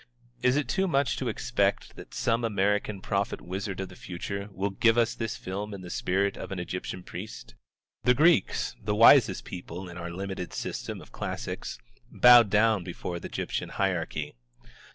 Is it too much to expect that some American prophet wizard of the future will give us this film in the spirit of an Egyptian priest? The Greeks, the wisest people in our limited system of classics, bowed down before the Egyptian hierarchy.